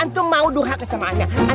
bisa ditanggal sama siapa